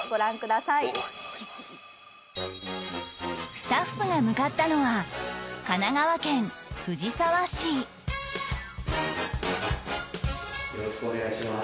スタッフが向かったのはよろしくお願いします。